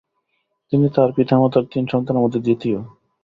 তিনি তার পিতামাতার তিন সন্তানের মধ্যে দ্বিতীয়।